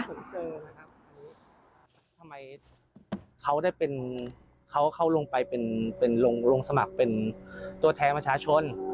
ทำไมเขาได้เป็นเขาเขาลงไปเป็นลงสมัครเป็นตัวแทนประชาชน